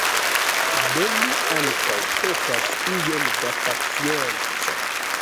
Do mi ankaŭ petas iom da pacienco.